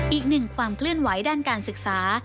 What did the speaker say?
อีกหนึ่งความเคลื่อนไหวด้านการศึกษา